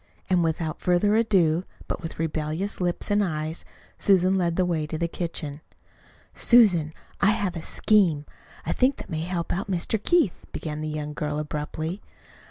And without further ado, but with rebellious lips and eyes, Susan led the way to the kitchen. "Susan, I have a scheme, I think, that may help out Mr. Keith," began the young girl abruptly.